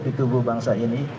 di tubuh bangsa ini